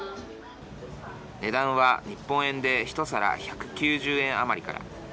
値段は日本円で一皿１９０円余りから。